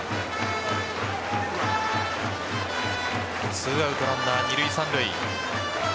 ２アウトランナー二塁・三塁。